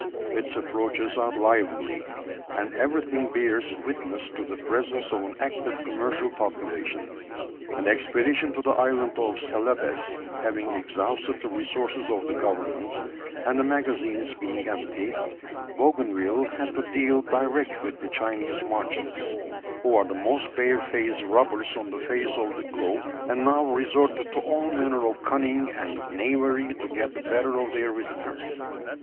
Its approaches are lively, and everything bears witness to the presence of an active commercial population. An expedition to the island of Celebes having exhausted the resources of the government and the magazines being empty, Bougainville had to deal direct with the Chinese merchants, who are the most bare faced robbers on the face of the globe, and now resorted to all manner of cunning and knavery to get the better of their visitors.